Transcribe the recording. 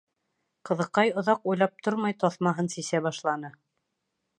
Ҡыҙыҡай, оҙаҡ уйлап тормай, таҫмаһын сисә башланы.